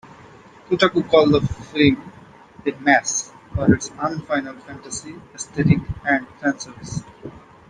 Kotaku called the film "a mess" for its un-Final Fantasy aesthetic and fan service.